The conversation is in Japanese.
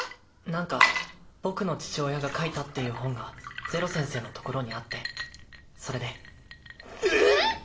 何か僕の父親が書いたっていう本がゼロ先生のところにあってそれでえっ！？